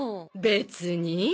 別に。